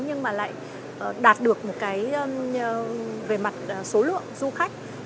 nhưng mà lại đạt được một cái về mặt số lượng du khách